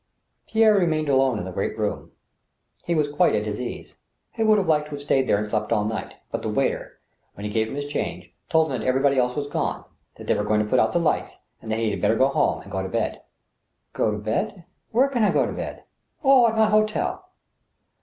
Pierre remained alone in the great room. He was quite at his ease. He would like to have stayed there and slept all night ; but the waiter, when he gave him his change, told him that everybody else was gone ; that they were going to put out the lights, and that he had better go home and go to bed. " Go to bed ?.•. Where can I go to bed ?... Oh ! at my hotel.